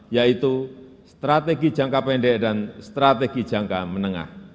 yaitu strategi jangka pendek dan strategi jangka menengah